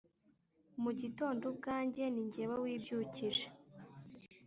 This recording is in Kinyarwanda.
mugitondo ubwanjye ninjyewe wibyukije